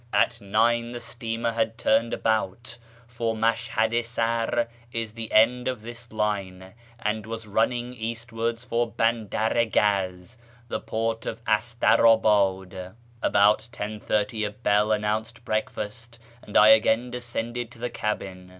At 9 the steamer had turned about (for Mashhad i Sar is the end of this line) and was running eastwards for Bandar i Gaz, the port of Astanibad. About 10.30 a bell announced breakfast, and I again descended to the cabin.